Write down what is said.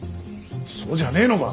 そうじゃねえのか。